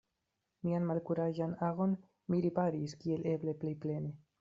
Mian malkuraĝan agon mi riparis kiel eble plej plene.